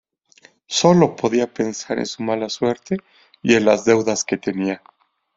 Sólo podía pensar en su mala suerte y en las deudas que tenía.